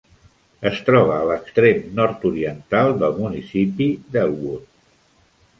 Es troba a l'extrem nord-oriental del municipi d'Elwood.